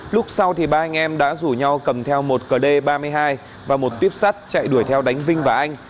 lúc sau thì ba anh em đã rủ nhau cầm theo một cd ba mươi hai và một tuyếp sắt chạy đuổi theo đánh vinh và anh